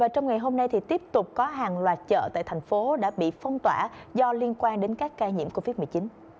trong ngày hôm nay tiếp tục có hàng loạt chợ tại thành phố đã bị phong tỏa do liên quan đến các ca nhiễm covid một mươi chín